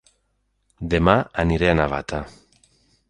Dema aniré a Navata